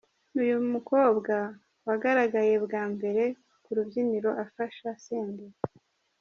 Uyu mukobwa wagaragaye bwa mbere ku rubyiniro afasha Senderi.